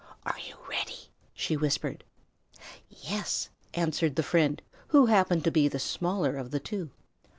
"Are you ready?" she whispered. "Yes," answered the friend, who happened to be the smaller of the two.